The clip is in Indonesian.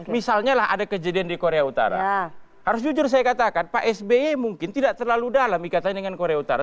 misalnya lah ada kejadian di korea utara harus jujur saya katakan pak sby mungkin tidak terlalu dalam ikatannya dengan korea utara